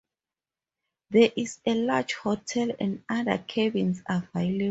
There is a large hotel and other cabins available.